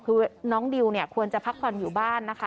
คือน้องดิวเนี่ยควรจะพักผ่อนอยู่บ้านนะคะ